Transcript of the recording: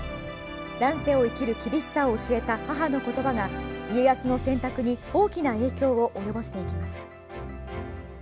乱世を生きる厳しさを教えた母の言葉が家康の選択に大きな影響を及ぼしていきます。